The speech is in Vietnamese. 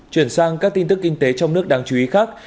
chuyển sang các tin tức kinh tế trong nước đáng chú ý khác